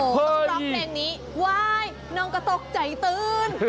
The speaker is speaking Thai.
โอ้โหต้องรับเพลงนี้ว้ายน้องกระตกใจตื่น